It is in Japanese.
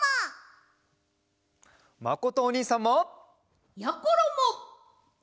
まことおにいさんも！やころも！